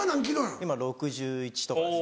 今６１とかです。